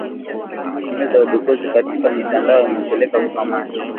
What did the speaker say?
Matumizi ya udukuzi katika mitandao umepelekea kukamatwa